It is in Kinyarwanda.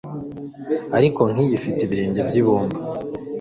ariko nkiyi ifite ibirenge byibumba